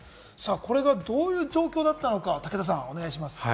これがどういう状況だったのか、武田さん、お願いします。